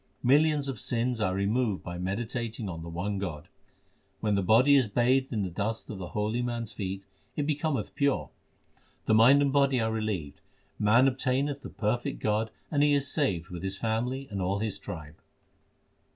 Millions of sins are removed by meditating on the one God. When the body is bathed in the dust of the holy man s feet, it becometh pure ; The mind and body are relieved ; man obtaineth the perfect God, And he is saved with his family and all his tribe.